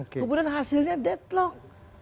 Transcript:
kemudian hasilnya deadlock